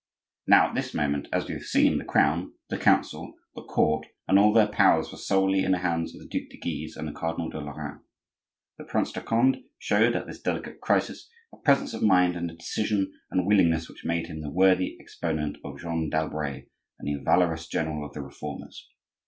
Now, at this moment, as we have seen, the Crown, the council, the court, and all their powers were solely in the hands of the Duc de Guise and the Cardinal de Lorraine. The Prince de Conde showed, at this delicate crisis, a presence of mind and a decision and willingness which made him the worthy exponent of Jeanne d'Albret and the valorous general of the Reformers.